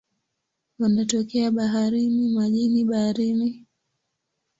Wanatokea baharini, majini baridi na ardhini.